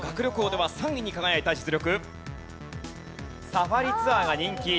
サファリツアーが人気。